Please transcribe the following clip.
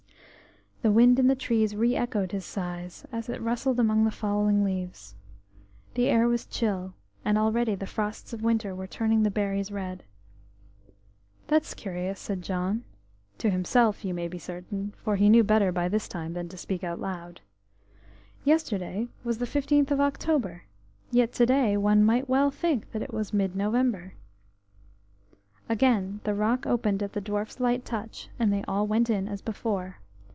The wind in the trees re echoed his sighs, as it rustled amongst the fallen leaves. The air was chill, and already the frosts of winter were turning the berries red. "That's curious," said John–to himself, you may be certain, for he knew better by this time than to speak out loud. "Yesterday was the fifteenth of October; yet to day one might well think that it was mid November." Again the rock opened at the dwarf's light touch and they all went in as before.